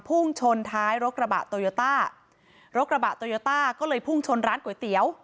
พุ่งชนท้ายรถกระบะโตโยต้ารถกระบะโตโยต้าก็เลยพุ่งชนร้านก๋วยเตี๋ยว